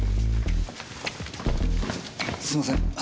すいません。